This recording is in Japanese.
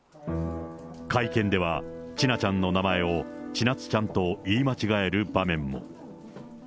会見では、千奈ちゃんの名前をちなつちゃんと言い間違える場面も。